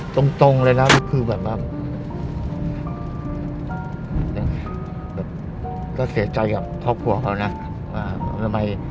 ตรงเลยนะก็เสียใจกับพ่อครัวเค้านะ